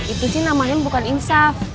itu sih namanya bukan insaf